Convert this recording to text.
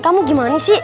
kamu gimana sih